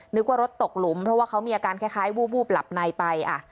นึกว่ารถตกหลุมเพราะว่าเขามีอาการคล้ายวูบหลับในไป